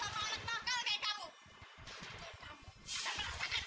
sayang itu kan cuma jamu